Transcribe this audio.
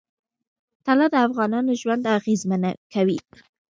طلا د افغانانو ژوند اغېزمن کوي.